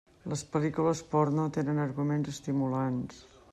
Les pel·lícules porno tenen arguments estimulants.